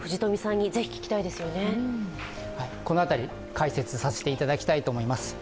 解説させていただきたいと思います。